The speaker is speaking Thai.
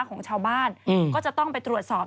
ของชาวบ้านก็จะต้องไปตรวจสอบ